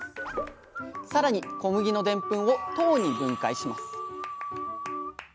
更に小麦のでんぷんを糖に分解します